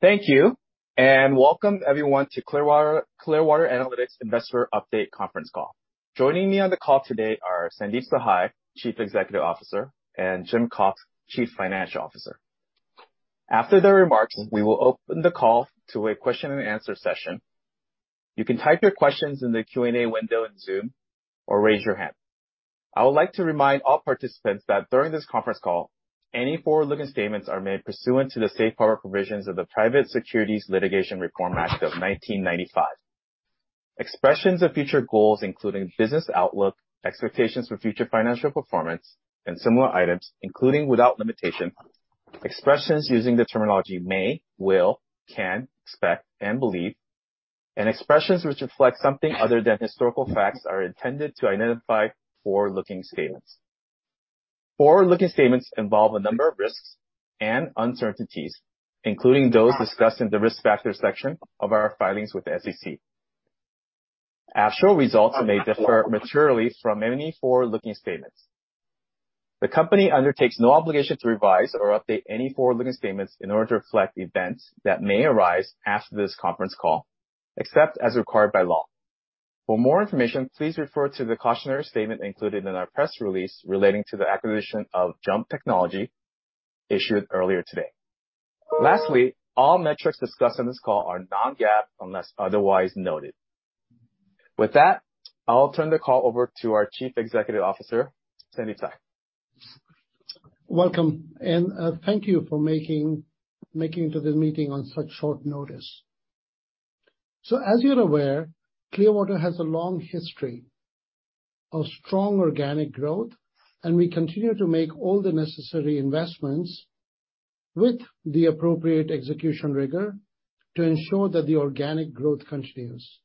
Thank you, and welcome everyone to Clearwater Analytics Investor Update conference call. Joining me on the call today are Sandeep Sahai, Chief Executive Officer, and Jim Cox, Chief Financial Officer. After the remarks, we will open the call to a question and answer session. You can type your questions in the Q&A window in Zoom or raise your hand. I would like to remind all participants that during this conference call, any forward-looking statements are made pursuant to the safe harbor provisions of the Private Securities Litigation Reform Act of 1995. Expressions of future goals, including business outlook, expectations for future financial performance, and similar items, including without limitation expressions using the terminology may, will, can, expect, and believe, and expressions which reflect something other than historical facts, are intended to identify forward-looking statements. Forward-looking statements involve a number of risks and uncertainties, including those discussed in the Risk Factors section of our filings with the SEC. Actual results may differ materially from any forward-looking statements. The company undertakes no obligation to revise or update any forward-looking statements in order to reflect events that may arise after this conference call, except as required by law. For more information, please refer to the cautionary statement included in our press release relating to the acquisition of JUMP Technology issued earlier today. Lastly, all metrics discussed on this call are non-GAAP unless otherwise noted. With that, I'll turn the call over to our Chief Executive Officer, Sandeep Sahai. Welcome, and thank you for making it to this meeting on such short notice. As you're aware, Clearwater has a long history of strong organic growth, and we continue to make all the necessary investments with the appropriate execution rigor to ensure that the organic growth continues.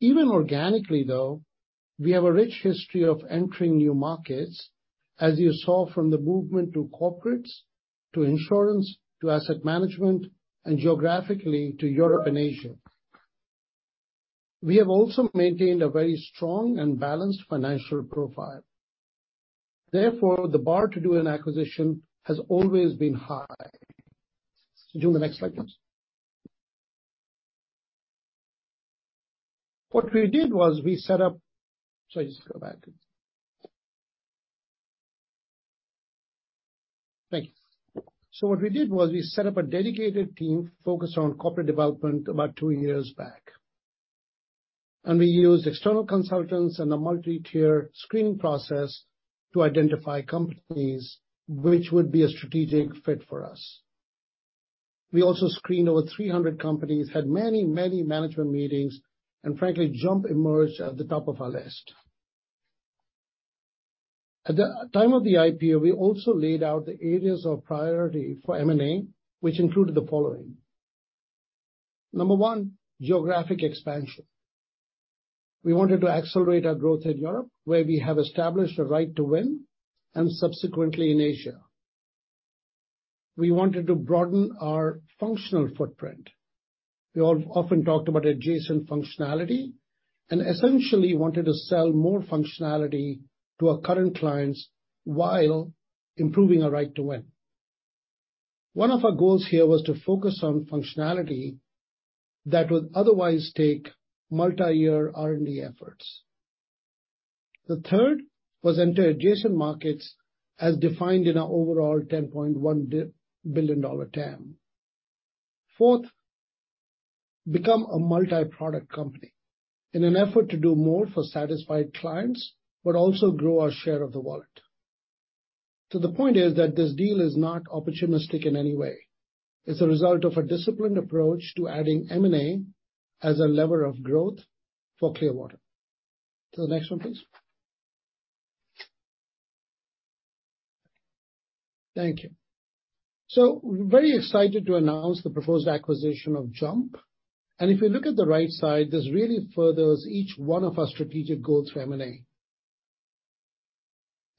Even organically, though, we have a rich history of entering new markets, as you saw from the movement to corporates, to insurance, to asset management, and geographically to Europe and Asia. We have also maintained a very strong and balanced financial profile. Therefore, the bar to do an acquisition has always been high. Do the next slide, please. Sorry, just go back. Thank you. What we did was we set up a dedicated team focused on corporate development about two years back, and we used external consultants and a multi-tier screening process to identify companies which would be a strategic fit for us. We also screened over 300 companies, had many, many management meetings, and frankly, JUMP emerged at the top of our list. At the time of the IPO, we also laid out the areas of priority for M&A, which included the following. Number one, geographic expansion. We wanted to accelerate our growth in Europe, where we have established a right to win, and subsequently in Asia. We wanted to broaden our functional footprint. We all often talked about adjacent functionality and essentially wanted to sell more functionality to our current clients while improving our right to win. One of our goals here was to focus on functionality that would otherwise take multi-year R&D efforts. The third was enter adjacent markets as defined in our overall $10.1 billion TAM. Fourth, become a multi-product company in an effort to do more for satisfied clients but also grow our share of the wallet. The point is that this deal is not opportunistic in any way. It's a result of a disciplined approach to adding M&A as a lever of growth for Clearwater. To the next one, please. Thank you. We're very excited to announce the proposed acquisition of JUMP. If you look at the right side, this really furthers each one of our strategic goals for M&A.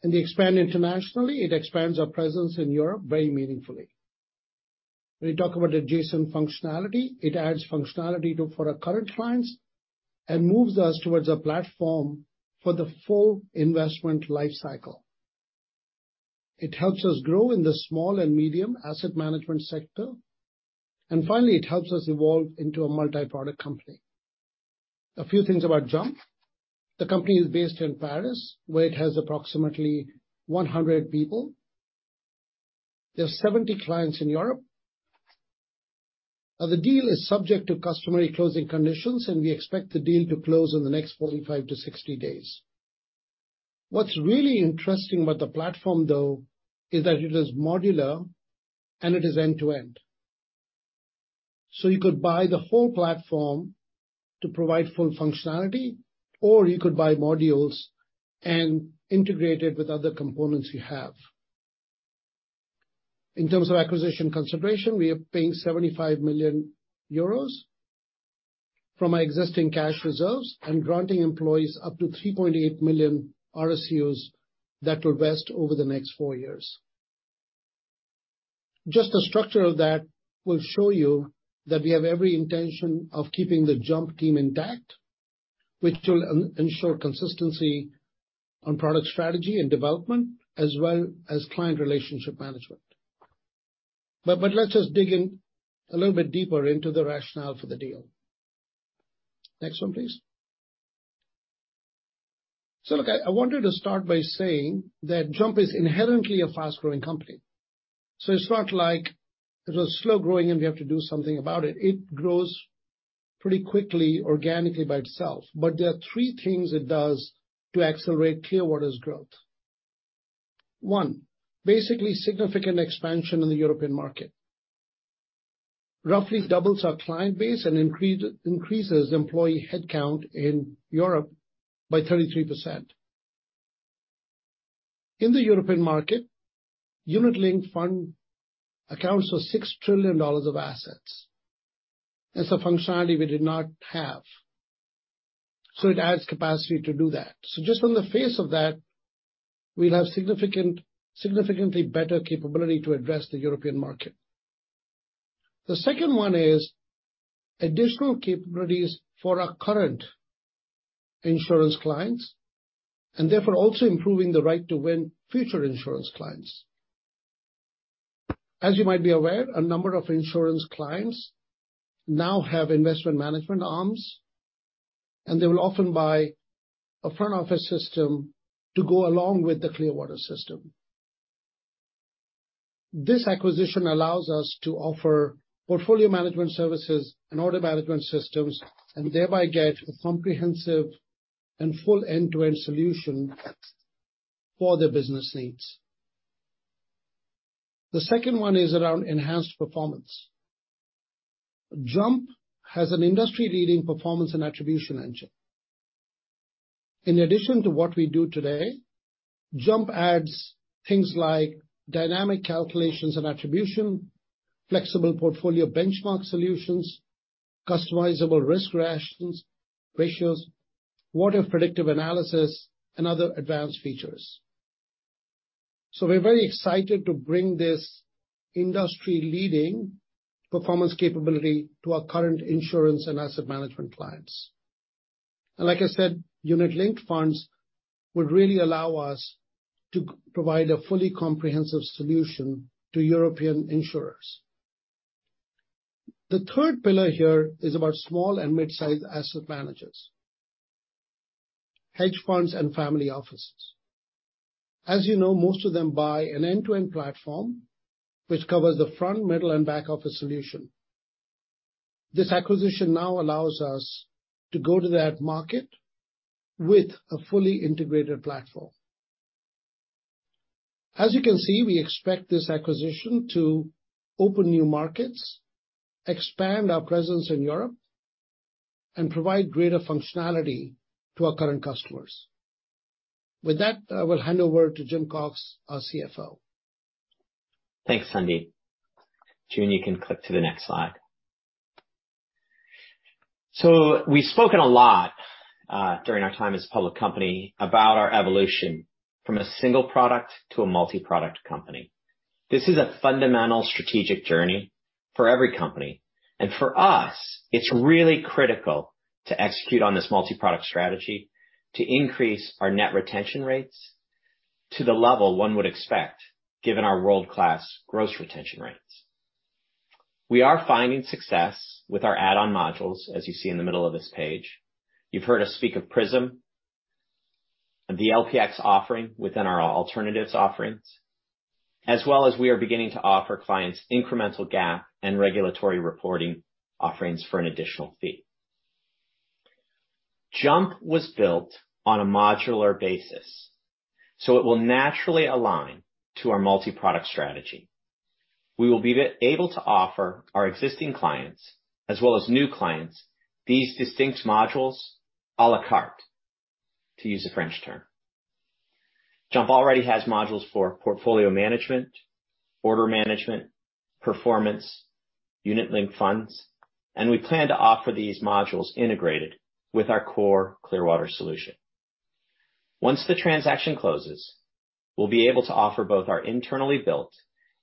To expand internationally, it expands our presence in Europe very meaningfully. When we talk about adjacent functionality, it adds functionality to. for our current clients and moves us towards a platform for the full investment life cycle. It helps us grow in the small and medium asset management sector. Finally, it helps us evolve into a multi-product company. A few things about JUMP. The company is based in Paris, where it has approximately 100 people. There are 70 clients in Europe. Now, the deal is subject to customary closing conditions, and we expect the deal to close in the next 45-60 days. What's really interesting about the platform, though, is that it is modular and it is end-to-end. You could buy the whole platform to provide full functionality, or you could buy modules and integrate it with other components you have. In terms of acquisition consideration, we are paying 75 million euros from our existing cash reserves and granting employees up to 3.8 million RSUs that will vest over the next four years. Just the structure of that will show you that we have every intention of keeping the JUMP team intact, which will ensure consistency on product strategy and development, as well as client relationship management. Let's just dig in a little bit deeper into the rationale for the deal. Next one, please. Look, I wanted to start by saying that JUMP is inherently a fast-growing company. It's not like it was slow growing and we have to do something about it. It grows pretty quickly organically by itself. There are three things it does to accelerate Clearwater's growth. One, basically significant expansion in the European market. Roughly doubles our client base and increases employee headcount in Europe by 33%. In the European market, unit-linked funds account for $6 trillion of assets. It's a functionality we did not have, so it adds capacity to do that. Just on the face of that, we'll have significantly better capability to address the European market. The second one is additional capabilities for our current insurance clients, and therefore also improving the right to win future insurance clients. As you might be aware, a number of insurance clients now have investment management arms, and they will often buy a front office system to go along with the Clearwater system. This acquisition allows us to offer portfolio management services and order management systems, and thereby get a comprehensive and full end-to-end solution for their business needs. The second one is around enhanced performance. JUMP has an industry-leading performance and attribution engine. In addition to what we do today, JUMP adds things like dynamic calculations and attribution, flexible portfolio benchmark solutions, customizable risk ratios, what-if predictive analysis, and other advanced features. We're very excited to bring this industry-leading performance capability to our current insurance and asset management clients. Like I said, unit-linked funds would really allow us to provide a fully comprehensive solution to European insurers. The third pillar here is about small and midsize asset managers, hedge funds and family offices. As you know, most of them buy an end-to-end platform which covers the front, middle, and back office solution. This acquisition now allows us to go to that market with a fully integrated platform. As you can see, we expect this acquisition to open new markets, expand our presence in Europe, and provide greater functionality to our current customers. With that, I will hand over to Jim Cox, our CFO. Thanks, Sandeep. June, you can click to the next slide. We've spoken a lot during our time as a public company about our evolution from a single product to a multi-product company. This is a fundamental strategic journey for every company, and for us, it's really critical to execute on this multi-product strategy to increase our net retention rates to the level one would expect, given our world-class gross retention rates. We are finding success with our add-on modules, as you see in the middle of this page. You've heard us speak of Prism and the LPX offering within our alternatives offerings, as well as we are beginning to offer clients incremental GAAP and regulatory reporting offerings for an additional fee. JUMP was built on a modular basis, so it will naturally align to our multi-product strategy. We will be able to offer our existing clients as well as new clients these distinct modules à la carte, to use a French term. JUMP already has modules for portfolio management, order management, performance, unit-linked funds, and we plan to offer these modules integrated with our core Clearwater solution. Once the transaction closes, we'll be able to offer both our internally built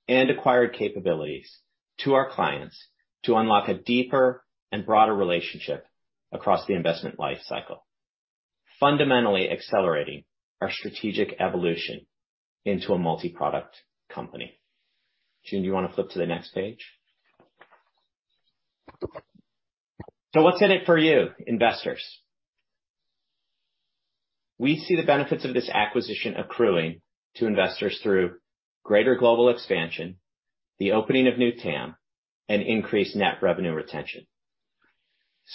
and acquired capabilities to our clients to unlock a deeper and broader relationship across the investment life cycle, fundamentally accelerating our strategic evolution into a multi-product company. June, do you wanna flip to the next page? What's in it for you, investors? We see the benefits of this acquisition accruing to investors through greater global expansion, the opening of new TAM, and increased net revenue retention.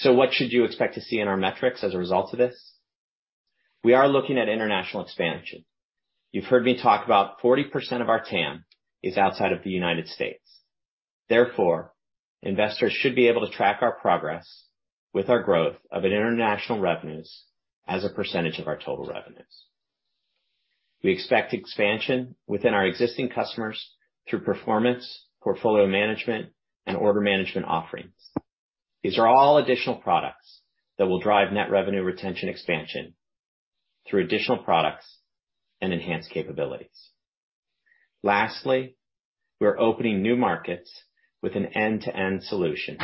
What should you expect to see in our metrics as a result of this? We are looking at international expansion. You've heard me talk about 40% of our TAM is outside of the United States. Therefore, investors should be able to track our progress with our growth of an international revenues as a percentage of our total revenues. We expect expansion within our existing customers through performance, portfolio management, and order management offerings. These are all additional products that will drive net revenue retention expansion through additional products and enhanced capabilities. Lastly, we're opening new markets with an end-to-end solution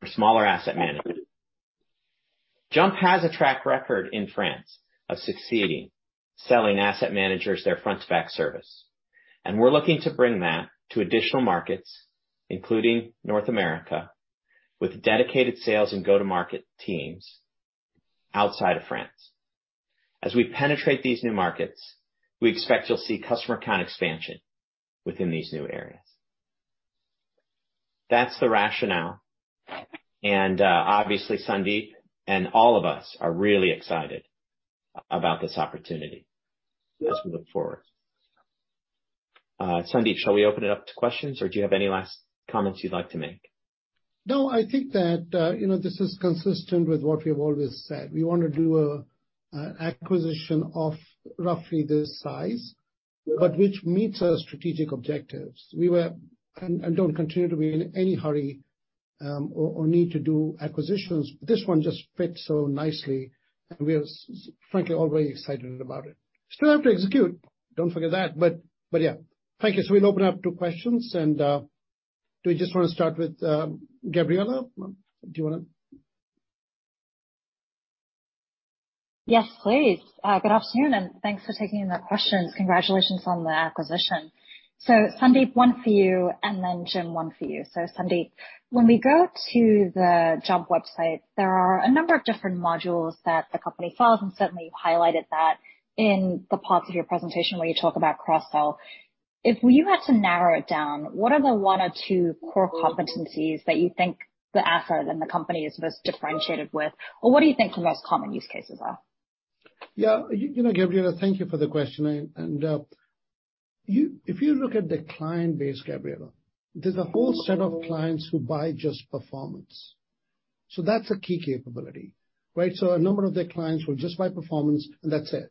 for smaller asset managers. JUMP has a track record in France of succeeding selling asset managers their front-to-back service, and we're looking to bring that to additional markets, including North America, with dedicated sales and go-to-market teams outside of France. As we penetrate these new markets, we expect you'll see customer count expansion within these new areas. That's the rationale. Obviously, Sandeep and all of us are really excited about this opportunity as we look forward. Sandeep, shall we open it up to questions, or do you have any last comments you'd like to make? No, I think that, you know, this is consistent with what we have always said. We wanna do an acquisition of roughly this size, but which meets our strategic objectives. We were and don't continue to be in any hurry, or need to do acquisitions. This one just fits so nicely, and we are frankly, all very excited about it. Still have to execute. Don't forget that. Yeah. Thank you. We'll open up to questions, and do we just wanna start with Gabriela? Do you wanna? Yes, please. Good afternoon, and thanks for taking the questions. Congratulations on the acquisition. Sandeep, one for you, and then Jim, one for you. Sandeep, when we go to the JUMP website, there are a number of different modules that the company offers, and certainly you highlighted that in the part of your presentation where you talk about cross-sell. If you had to narrow it down, what are the one or two core competencies that you think the asset and the company is most differentiated with? Or what do you think the most common use cases are? Yeah. You know, Gabriela, thank you for the question. If you look at the client base, Gabriela, there's a whole set of clients who buy just performance. That's a key capability, right? A number of their clients will just buy performance, and that's it.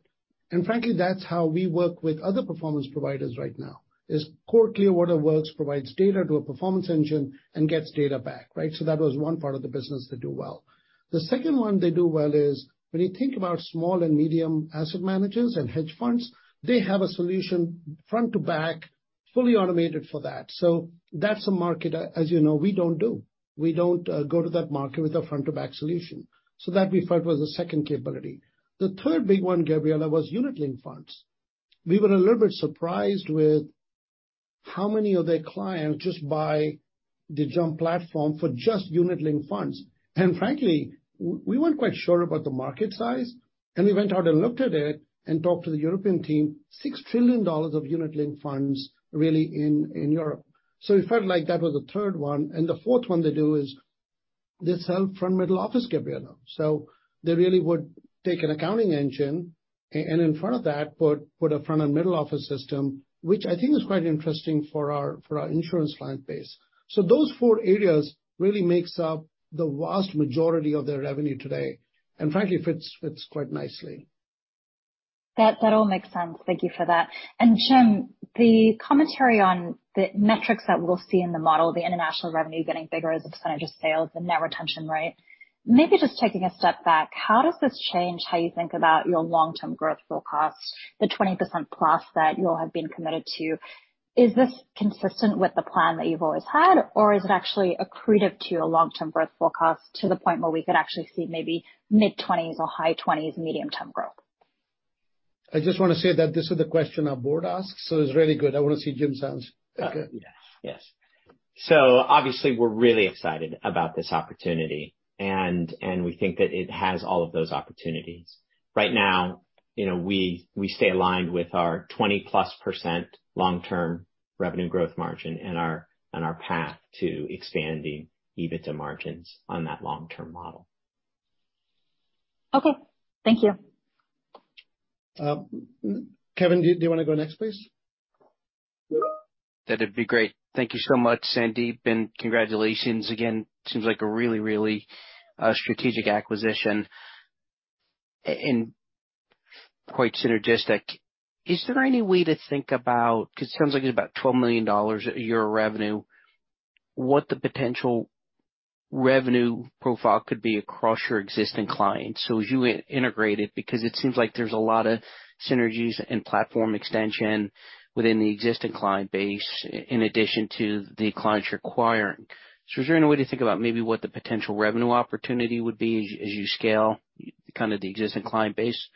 Frankly, that's how we work with other performance providers right now, is core Clearwater works provides data to a performance engine and gets data back, right? That was one part of the business they do well. The second one they do well is when you think about small and medium asset managers and hedge funds, they have a solution front to back, fully automated for that. That's a market, as you know, we don't do. We don't go to that market with a front to back solution. That we felt was the second capability. The third big one, Gabriela, was unit-linked funds. We were a little bit surprised with how many of their clients just buy the JUMP platform for just unit-linked funds. Frankly, we weren't quite sure about the market size, and we went out and looked at it and talked to the European team. $6 trillion of unit-linked funds really in Europe. We felt like that was the third one. The fourth one they do is they sell front middle office, Gabriela. They really would take an accounting engine and in front of that put a front and middle office system, which I think is quite interesting for our insurance client base. Those four areas really makes up the vast majority of their revenue today, and frankly, fits quite nicely. That all makes sense. Thank you for that. Jim, the commentary on the metrics that we'll see in the model, the international revenue getting bigger as a percentage of sales, the net retention rate. Maybe just taking a step back, how does this change how you think about your long-term growth forecast, the 20%+ that you all have been committed to? Is this consistent with the plan that you've always had, or is it actually accretive to your long-term growth forecast to the point where we could actually see maybe mid-20s or high 20s medium-term growth? I just wanna say that this is the question our board asks, so it's really good. I wanna see Jim's answer. Okay. Yes. Obviously we're really excited about this opportunity, and we think that it has all of those opportunities. Right now, you know, we stay aligned with our 20%+ long-term revenue growth margin and our path to expanding EBITDA margins on that long-term model. Okay. Thank you. Kevin, do you wanna go next, please? That'd be great. Thank you so much, Sandeep, and congratulations again. Seems like a really strategic acquisition and quite synergistic. Is there any way to think about 'cause it sounds like it's about $12 million a year revenue, what the potential revenue profile could be across your existing clients so as you integrate it, because it seems like there's a lot of synergies and platform extension within the existing client base in addition to the clients you're acquiring. Is there any way to think about maybe what the potential revenue opportunity would be as you scale kind of the existing client base?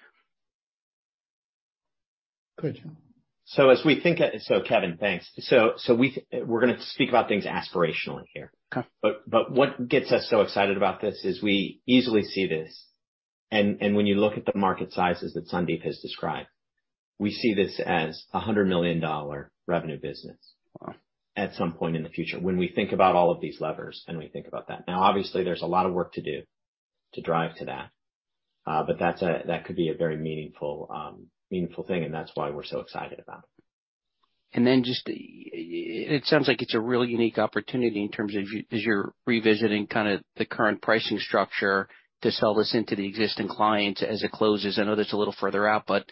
Go ahead, Jim. As we think, Kevin, thanks. We're gonna speak about things aspirationally here. Okay. What gets us so excited about this is we easily see this, and when you look at the market sizes that Sandeep has described, we see this as a $100 million revenue business. Wow. At some point in the future when we think about all of these levers and we think about that. Now obviously there's a lot of work to do to drive to that, but that could be a very meaningful thing, and that's why we're so excited about it. Just, it sounds like it's a really unique opportunity in terms of you as you're revisiting kinda the current pricing structure to sell this into the existing clients as it closes. I know that's a little further out, but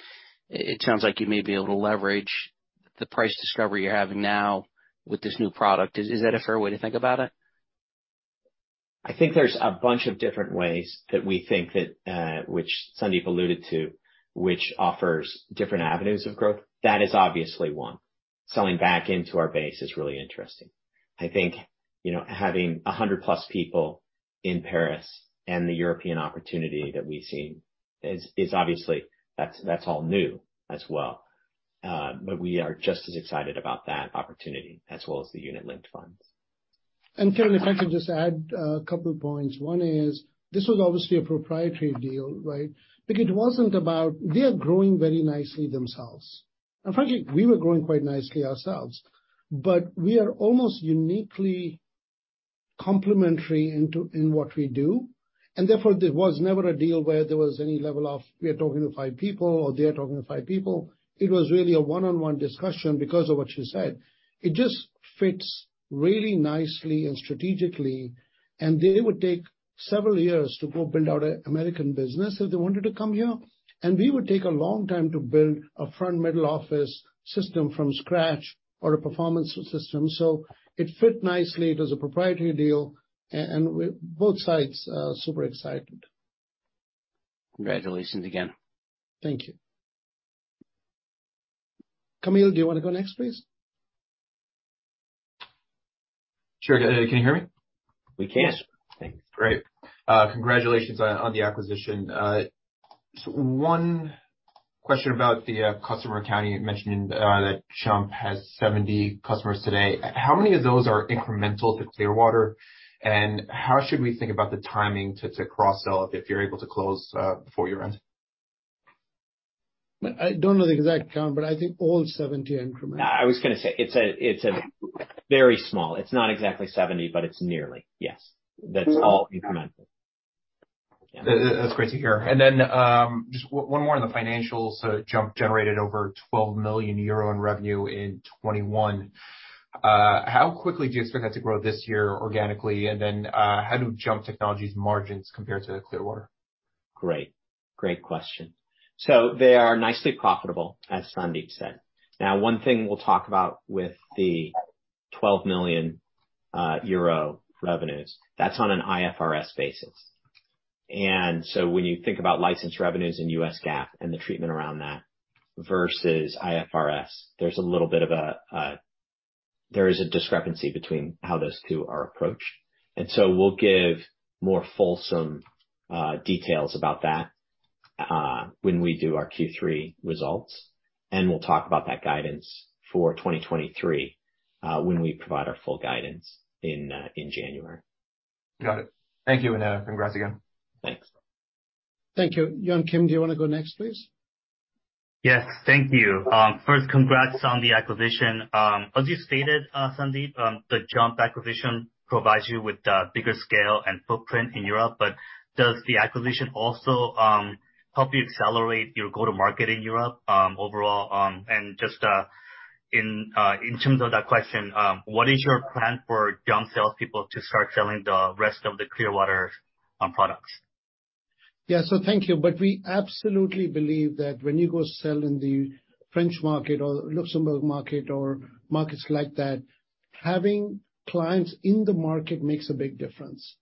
it sounds like you may be able to leverage the price discovery you're having now with this new product. Is that a fair way to think about it? I think there's a bunch of different ways that we think that, which Sandeep alluded to, which offers different avenues of growth. That is obviously one. Selling back into our base is really interesting. I think, you know, having 100+ people in Paris and the European opportunity that we've seen is obviously that's all new as well. We are just as excited about that opportunity as well as the unit-linked funds. Charlie, if I could just add a couple of points. One is this was obviously a proprietary deal, right? It wasn't about. They are growing very nicely themselves. Frankly, we were growing quite nicely ourselves. We are almost uniquely complementary in what we do, and therefore, there was never a deal where there was any level of we are talking to five people or they are talking to five people. It was really a one-on-one discussion because of what you said. It just fits really nicely and strategically, and they would take several years to go build out an American business if they wanted to come here. We would take a long time to build a front middle office system from scratch or a performance system. It fit nicely. It was a proprietary deal and both sides are super excited. Congratulations again. Thank you. Camille, do you wanna go next, please? Sure. Can you hear me? We can. Thanks. Great. Congratulations on the acquisition. One question about the customer accounting. You mentioned that JUMP has 70 customers today. How many of those are incremental to Clearwater? How should we think about the timing to cross-sell if you're able to close before year-end? I don't know the exact count, but I think all 70 are incremental. I was gonna say it's a very small. It's not exactly 70, but it's nearly, yes. That's all incremental. Yeah. That's great to hear. Just one more on the financials. JUMP generated over 12 million euro in revenue in 2021. How quickly do you expect that to grow this year organically? How do JUMP Technology's margins compare to Clearwater? Great. Great question. They are nicely profitable, as Sandeep said. Now, one thing we'll talk about with the 12 million euro revenues, that's on an IFRS basis. When you think about license revenues in US GAAP and the treatment around that versus IFRS, there's a little bit of a discrepancy between how those two are approached. We'll give more fulsome details about that when we do our Q3 results, and we'll talk about that guidance for 2023 when we provide our full guidance in January. Got it. Thank you, and congrats again. Thanks. Thank you. Yun Kim, do you wanna go next, please? Yes. Thank you. First, congrats on the acquisition. As you stated, Sandeep, the JUMP acquisition provides you with the bigger scale and footprint in Europe, but does the acquisition also help you accelerate your go-to-market in Europe overall? Just in terms of that question, what is your plan for JUMP salespeople to start selling the rest of the Clearwater products? Yeah. Thank you. We absolutely believe that when you go sell in the French market or Luxembourg market or markets like that, having clients in the market makes a big difference.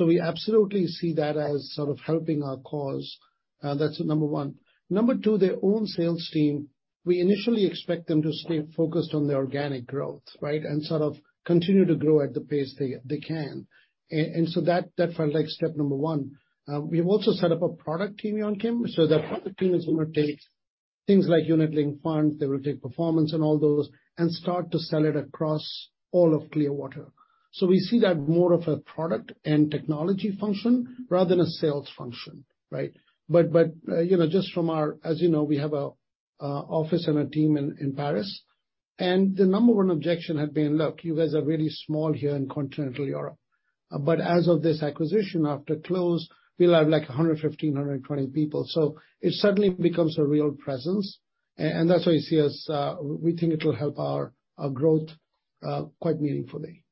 We absolutely see that as sort of helping our cause. That's number one. Number two, their own sales team, we initially expect them to stay focused on the organic growth, right? Sort of continue to grow at the pace they can. That felt like step number one. We have also set up a product team, Yun Kim, so that product team is gonna take things like unit-linked funds, they will take performance and all those and start to sell it across all of Clearwater. We see that more of a product and technology function rather than a sales function, right? You know, as you know, we have a office and a team in Paris, and the number one objection had been, "Look, you guys are really small here in Continental Europe." As of this acquisition, after close, we'll have like 115-120 people. It suddenly becomes a real presence. That's why you see us. We think it'll help our growth quite meaningfully.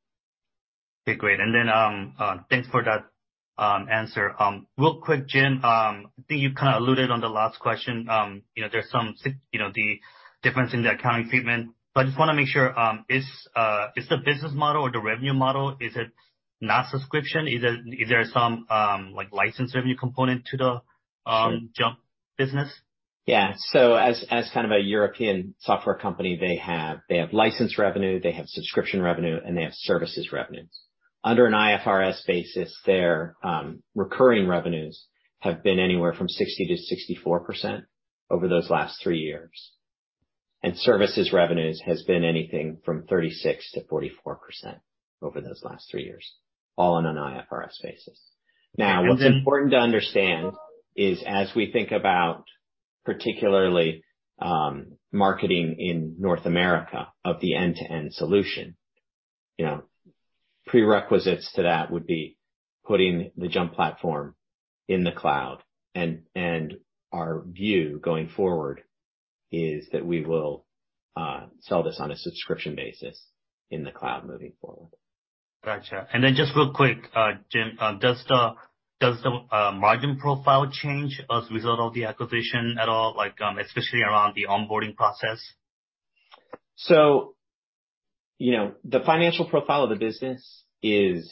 Okay, great. Thanks for that, answer. Real quick, Jim, I think you kinda alluded to the last question. You know, there's some, you know, the difference in the accounting treatment. I just wanna make sure, is the business model or the revenue model, is it not subscription? Is there some, like, license revenue component to the Sure. JUMP business? As kind of a European software company, they have license revenue, they have subscription revenue, and they have services revenues. Under an IFRS basis, their recurring revenues have been anywhere from 60%-64% over those last three years. Services revenues has been anything from 36%-44% over those last three years, all on an IFRS basis. And then- Now, what's important to understand is, as we think about particularly, marketing in North America of the end-to-end solution, you know, prerequisites to that would be putting the JUMP platform in the cloud, and our view going forward is that we will sell this on a subscription basis in the cloud moving forward. Gotcha. Just real quick, Jim, does the margin profile change as a result of the acquisition at all, like, especially around the onboarding process? You know, the financial profile of the business is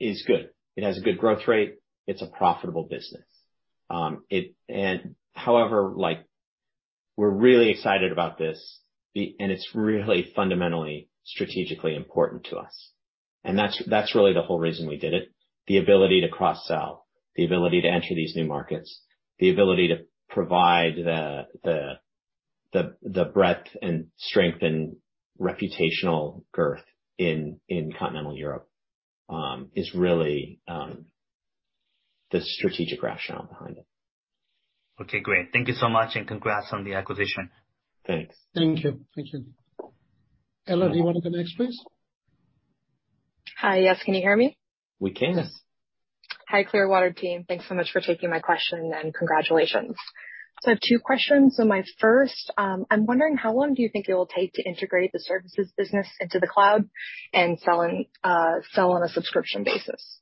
good. It has a good growth rate, it's a profitable business. However, like, we're really excited about this and it's really fundamentally strategically important to us. That's really the whole reason we did it. The ability to cross-sell, the ability to enter these new markets, the ability to provide the breadth and strength and reputational girth in continental Europe is really the strategic rationale behind it. Okay, great. Thank you so much, and congrats on the acquisition. Thanks. Thank you. Thank you. Ella, do you wanna go next, please? Hi. Yes. Can you hear me? We can. Hi, Clearwater team. Thanks so much for taking my question, and congratulations. I have two questions. My first, I'm wondering how long do you think it will take to integrate the services business into the cloud and sell on a subscription basis?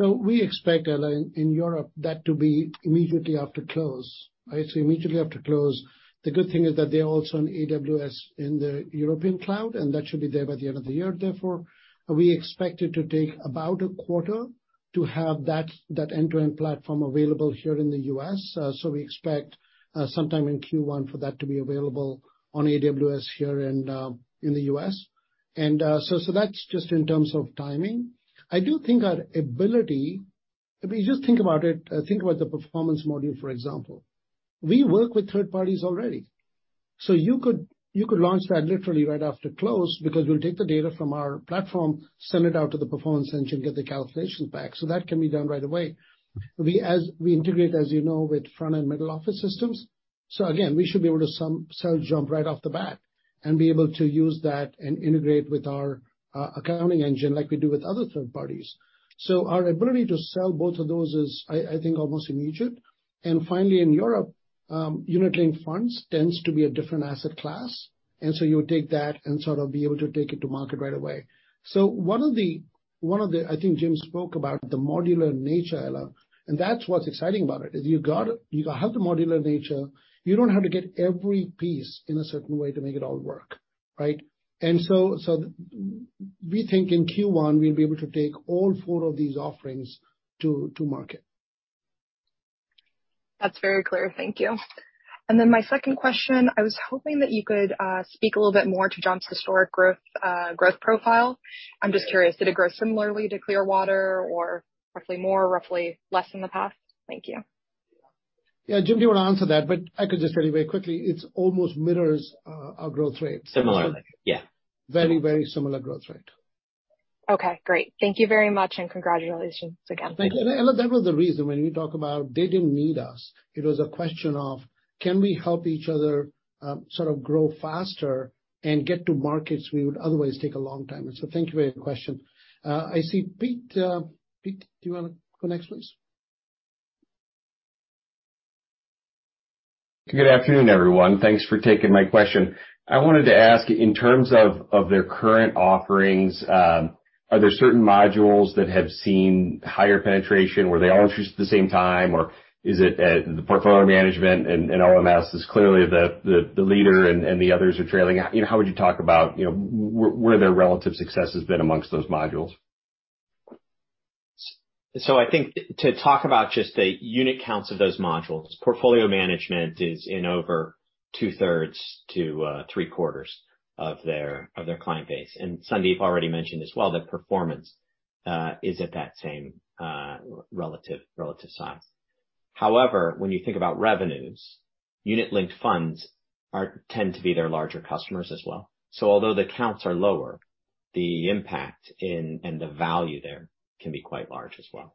We expect, Ella, in Europe that to be immediately after close. I'd say immediately after close. The good thing is that they're also on AWS in the European cloud, and that should be there by the end of the year. Therefore, we expect it to take about a quarter to have that end-to-end platform available here in the U.S. We expect sometime in Q1 for that to be available on AWS here in the U.S. That's just in terms of timing. I do think our ability. If you just think about it, think about the performance module, for example. We work with third parties already. You could launch that literally right after close because we'll take the data from our platform, send it out to the performance engine, get the calculations back. That can be done right away. We integrate, as you know, with front and middle office systems. We should be able to sell JUMP right off the bat and be able to use that and integrate with our accounting engine like we do with other third parties. Our ability to sell both of those is, I think, almost immediate. In Europe, unit-linked funds tend to be a different asset class. You would take that and sort of be able to take it to market right away. One of the I think Jim spoke about the modular nature, Ella, and that's what's exciting about it, is you have the modular nature. You don't have to get every piece in a certain way to make it all work, right? We think in Q1 we'll be able to take all four of these offerings to market. That's very clear. Thank you. My second question, I was hoping that you could speak a little bit more to JUMP's historic growth profile. I'm just curious, did it grow similarly to Clearwater or roughly more, roughly less in the past? Thank you. Yeah. Jim, do you wanna answer that? I could just very, very quickly. It's almost mirrors our growth rate. Similarly, yeah. Very, very similar growth rate. Okay, great. Thank you very much, and congratulations again. Thank you. Ella, that was the reason when we talk about they didn't need us, it was a question of, can we help each other, sort of grow faster and get to markets we would otherwise take a long time. Thank you for your question. I see Pete. Pete, do you wanna go next, please? Good afternoon, everyone. Thanks for taking my question. I wanted to ask, in terms of their current offerings, are there certain modules that have seen higher penetration? Were they all introduced at the same time, or is it the portfolio management and OMS is clearly the leader and the others are trailing? You know, how would you talk about, you know, where their relative success has been amongst those modules? I think to talk about just the unit counts of those modules, portfolio management is in over two-thirds to three-quarters of their client base. Sandeep already mentioned as well that performance is at that same relative size. However, when you think about revenues, unit-linked funds tend to be their larger customers as well. Although the counts are lower, the impact and the value there can be quite large as well.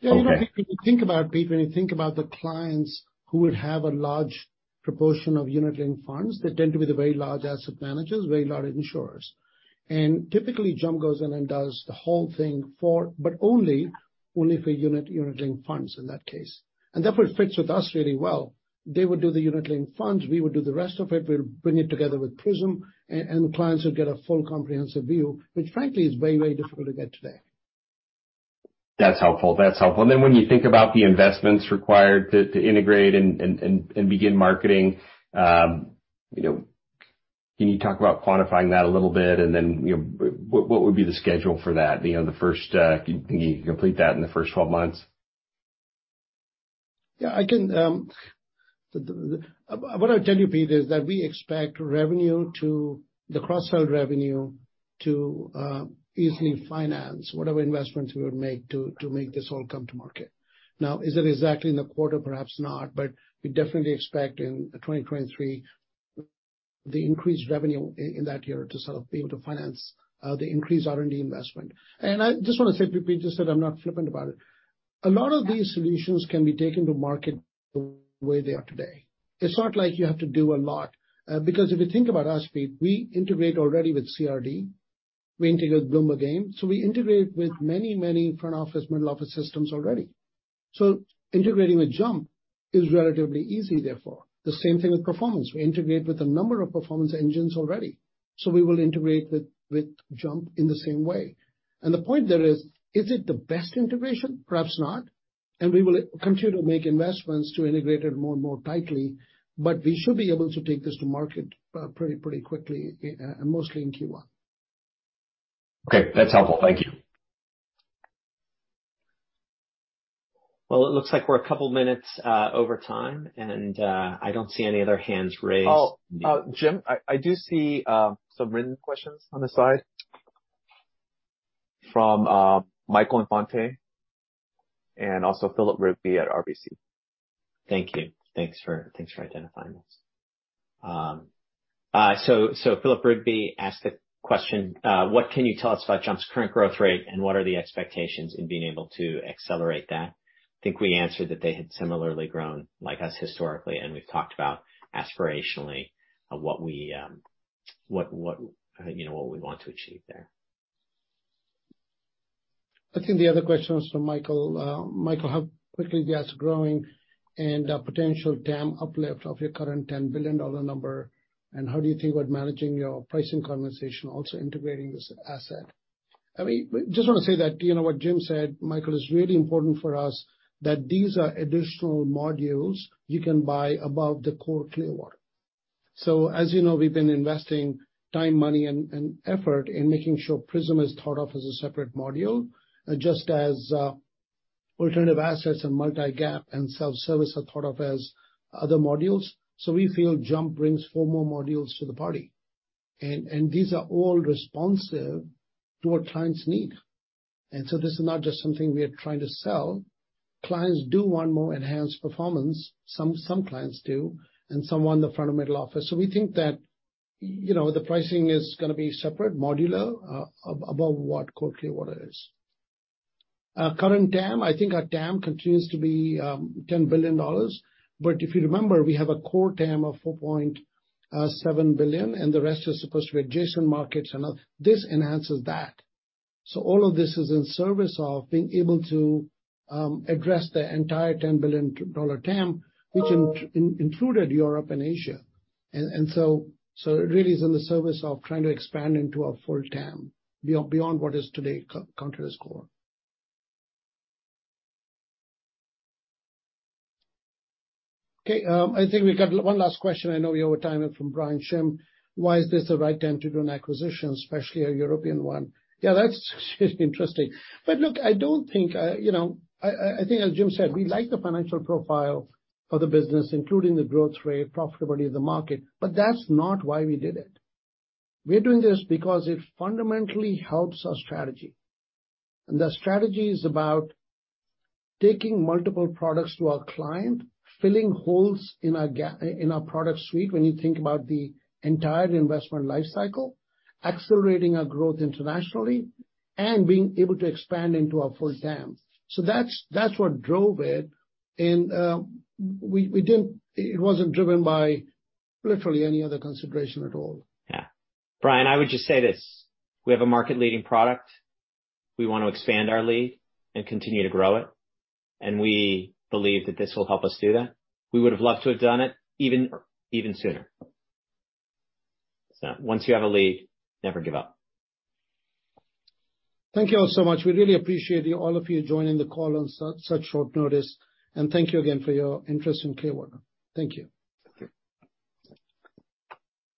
Yeah. You know, if you think about it, Pete, when you think about the clients who would have a large proportion of unit-linked funds, they tend to be the very large asset managers, very large insurers. Typically, JUMP goes in and does the whole thing for, but only for unit-linked funds in that case. Therefore it fits with us really well. They would do the unit-linked funds, we would do the rest of it. We'll bring it together with Prism and the clients would get a full comprehensive view, which frankly is very, very difficult to get today. That's helpful. When you think about the investments required to integrate and begin marketing, you know, can you talk about quantifying that a little bit? You know, what would be the schedule for that? You know, can you complete that in the first 12 months? What I'll tell you, Pete, is that we expect revenue to the cross-sell revenue to easily finance whatever investments we would make to make this all come to market. Now, is it exactly in the quarter? Perhaps not. We definitely expect in 2023, the increased revenue in that year to sort of be able to finance the increased R&D investment. I just wanna say, Pete, just that I'm not flippant about it. A lot of these solutions can be taken to market the way they are today. It's not like you have to do a lot, because if you think about us, Pete, we integrate already with CRD, we integrate with Bloomberg AIM. We integrate with many, many front office, middle office systems already. Integrating with JUMP is relatively easy, therefore. The same thing with performance. We integrate with a number of performance engines already, so we will integrate with JUMP in the same way. The point there is it the best integration? Perhaps not. We will continue to make investments to integrate it more and more tightly, but we should be able to take this to market pretty quickly, mostly in Q1. Okay, that's helpful. Thank you. Well, it looks like we're a couple minutes over time, and I don't see any other hands raised. Jim, I do see some written questions on the side from Michael Infante and also Philip Rigby at RBC. Thank you. Thanks for identifying those. Philip Rigby asked a question, "What can you tell us about JUMP's current growth rate, and what are the expectations in being able to accelerate that?" I think we answered that they had similarly grown like us historically, and we've talked about aspirationally of what we you know want to achieve there. I think the other question was from Michael. Michael, how quickly are you guys growing and potential TAM uplift of your current $10 billion number, and how do you think about managing your pricing conversation, also integrating this asset? I mean, just wanna say that, you know, what Jim said, Michael, is really important for us, that these are additional modules you can buy above the core Clearwater. As you know, we've been investing time, money, and effort in making sure Prism is thought of as a separate module, just as alternative assets and Multi-GAAP and self-service are thought of as other modules. We feel JUMP brings four more modules to the party. These are all responsive to what clients need. This is not just something we are trying to sell. Clients do want more enhanced performance, some clients do, and some want the front and middle office. We think that, you know, the pricing is gonna be separate, modular, above what core Clearwater is. Our current TAM, I think our TAM continues to be $10 billion, but if you remember, we have a core TAM of $4.7 billion, and the rest is supposed to be adjacent markets and all. This enhances that. All of this is in service of being able to address the entire $10 billion TAM, which included Europe and Asia. It really is in the service of trying to expand into our full TAM beyond what is today Clearwater's core. Okay, I think we got one last question, I know we over time, it's from Brian Schwartz. Why is this the right time to do an acquisition, especially a European one?" Yeah, that's interesting. Look, I don't think I think as Jim said, we like the financial profile of the business, including the growth rate, profitability of the market, but that's not why we did it. We're doing this because it fundamentally helps our strategy. The strategy is about taking multiple products to our client, filling holes in our product suite when you think about the entire investment life cycle, accelerating our growth internationally, and being able to expand into our full TAM. That's what drove it, and we didn't. It wasn't driven by literally any other consideration at all. Yeah. Brian, I would just say this, we have a market-leading product. We want to expand our lead and continue to grow it, and we believe that this will help us do that. We would've loved to have done it even sooner. Once you have a lead, never give up. Thank you all so much. We really appreciate you, all of you joining the call on such short notice, and thank you again for your interest in Clearwater. Thank you. Thank you.